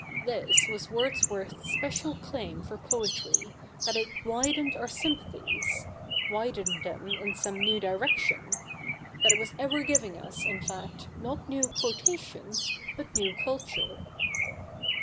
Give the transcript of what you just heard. This was Wordsworth's special claim for poetry, that it widened our sympathies — widened them in some new direction — that it was ever giving us, in fact, not new quotations, but new culture.'